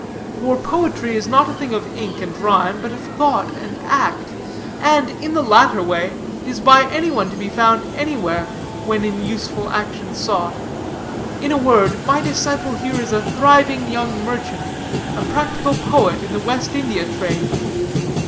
For poetry is not a thing of ink and rhyme, but of thought and act, and, in the latter way, is by any one to be found anywhere, when in useful action sought. In a word, my disciple here is a thriving young merchant, a practical poet in the West India trade.